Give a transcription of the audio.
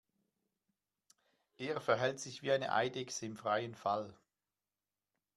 Er verhält sich wie eine Eidechse im freien Fall.